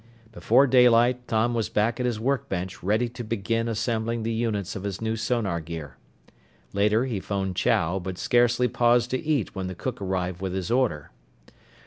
Before daylight, Tom was back at his workbench ready to begin assembling the units of his new sonar gear. Later he phoned Chow but scarcely paused to eat when the cook arrived with his order.